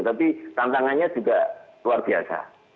tapi tantangannya juga luar biasa